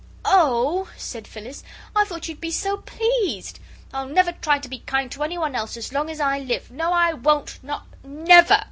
"OH!" said Phyllis, "I thought you'd be so pleased; I'll never try to be kind to anyone else as long as I live. No, I won't, not never."